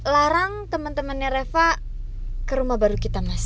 larang temen temennya reva ke rumah baru kita mas